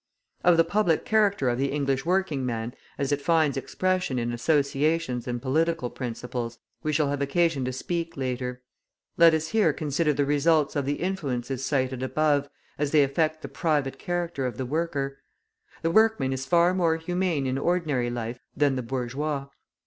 Of the public character of the English working man, as it finds expression in associations and political principles, we shall have occasion to speak later; let us here consider the results of the influences cited above, as they affect the private character of the worker. The workman is far more humane in ordinary life than the bourgeois.